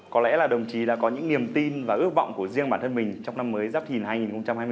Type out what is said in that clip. có lẽ là đồng chí đã có những niềm tin và ước vọng của riêng bản thân mình trong năm mới dắp hình hành hai nghìn hai mươi bốn